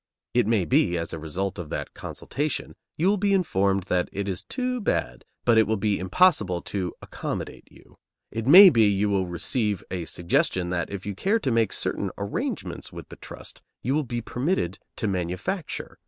It may be, as a result of that consultation, you will be informed that it is too bad, but it will be impossible to "accommodate" you. It may be you will receive a suggestion that if you care to make certain arrangements with the trust, you will be permitted to manufacture.